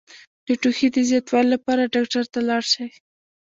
د ټوخي د زیاتوالي لپاره ډاکټر ته لاړ شئ